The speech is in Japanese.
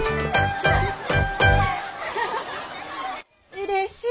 うれしい！